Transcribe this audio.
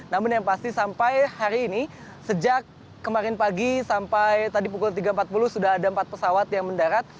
namun yang pasti sampai hari ini sejak kemarin pagi sampai tadi pukul tiga empat puluh sudah ada empat pesawat yang mendarat